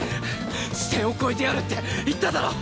死線を越えてやるって言っただろ。